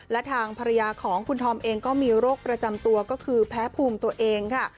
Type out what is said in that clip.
และทางภรรยาของคุณธอมเองก็มีโรคประจำตัวก็คือแพ้ภูมิตัวเองค่ะ